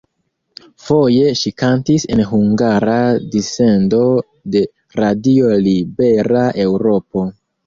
Foje ŝi kantis en hungara dissendo de Radio Libera Eŭropo.